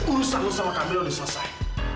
urusan lo sama kamila udah selesai